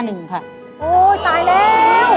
โอ้โหตายแล้ว